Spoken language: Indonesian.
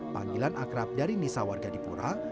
panggilan akrab dari nisa warga di pura